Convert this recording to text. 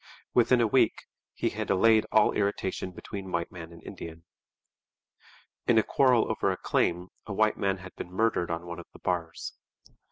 Within a week he had allayed all irritation between white man and Indian. In a quarrel over a claim a white man had been murdered on one of the bars.